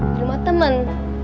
di rumah temen